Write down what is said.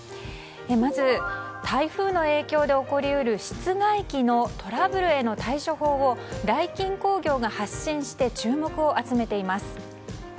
まず台風の影響で起こり得る室外機のトラブルへの対処法をダイキン工業が発信して注目を集めています。